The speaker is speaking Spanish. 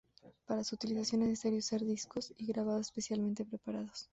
Para su utilización es necesario usar discos y grabadoras especialmente preparados.